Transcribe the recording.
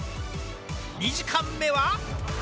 ２時間目は。